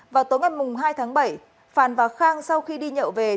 vào tối mặt mùng hai tháng bảy phàn và khang sau khi đi nhậu về